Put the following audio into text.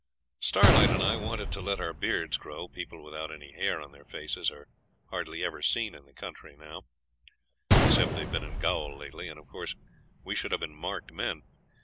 Starlight and I wanted to let our beards grow. People without any hair on their faces are hardly ever seen in the country now, except they've been in gaol lately, and of course we should have been marked men.